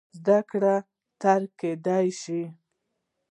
زده کړه ترې کېدای شي.